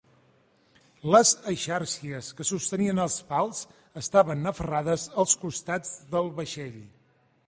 Les eixàrcies que sostenien els pals estaven aferrades als costats del vaixell.